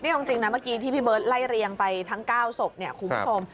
นี่จริงน่ะเมื่อกี้ที่พี่เบิร์ตไล่เรียงไปทั้ง๙สมคุ้มคม